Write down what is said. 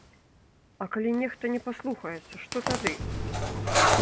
А калі нехта не паслухаецца, што тады?